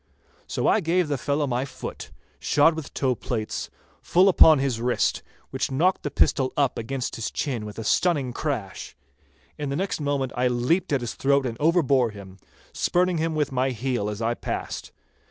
So I gave the fellow my foot, shod with toe plates, full upon his wrist, which knocked the pistol up against his chin with a stunning crash. In the next moment I leaped at his throat and overbore him, spurning him with my heel as I passed.